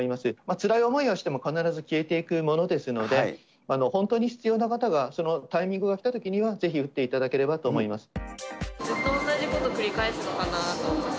つらい思いはしても、必ず消えていくものですので、本当に必要な方がタイミングが来たときにはぜひ打っていただければと思います。